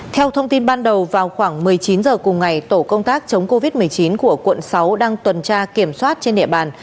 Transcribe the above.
theo thông tin ban đầu vào khoảng một mươi chín h cùng ngày tổ công tác chống covid một mươi chín của quận sáu đang tuần tra kiểm soát trên địa bàn